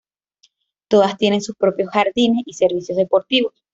Todas tienen sus propios jardines y servicios deportivos.